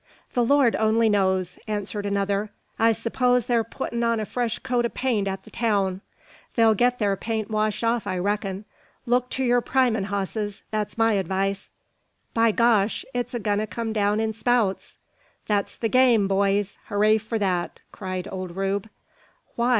"The Lord only knows!" answered another. "I s'pose thar puttin' on a fresh coat o' paint at the town." "They'll get their paint washed off, I reckin. Look to yer primin', hosses! that's my advice." "By gosh! it's a goin' to come down in spouts." "That's the game, boyees! hooray for that!" cried old Rube. "Why?